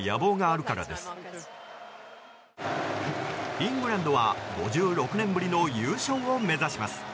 イングランドは５６年ぶりの優勝を目指します。